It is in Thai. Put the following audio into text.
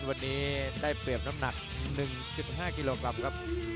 วันนี้ได้เปรียบน้ำหนัก๑๕กิโลกรัมครับ